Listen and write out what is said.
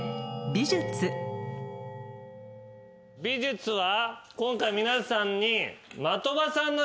美術は今回皆さんに。